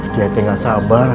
dia teh gak sabar